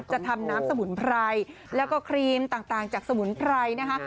จะทำน้ำสมุนไพรแล้วก็ครีมต่างจากสมุนไพรนะคะ